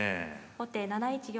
後手７一玉。